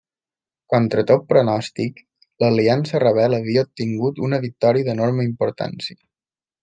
Contra tot pronòstic, l'Aliança Rebel havia obtingut una victòria d'enorme importància.